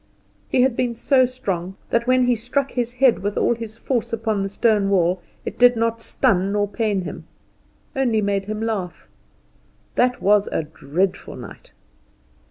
He had been so strong, that when he struck his head with all his force upon the stone wall it did not stun him nor pain him only made him laugh. That was a dreadful night.